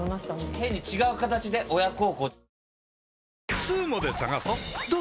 変に違う形で親孝行。